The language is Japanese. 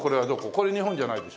これ日本じゃないでしょ？